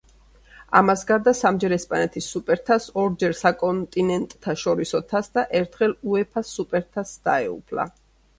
ამას გარდა სამჯერ ესპანეთის სუპერთასს, ორჯერ საკონტინენტთაშორისო თასს და ერთხელ უეფა-ს სუპერთასს დაეუფლა.